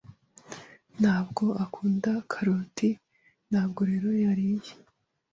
Ntabwo akunda karoti, ntabwo rero yariye.